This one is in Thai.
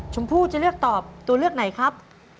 ชมพู่จะเลือกตอบตัวเลือกไหนครับ